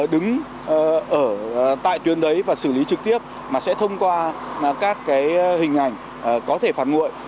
đứng ở tại tuyến đấy và xử lý trực tiếp mà sẽ thông qua các hình ảnh có thể phản nguội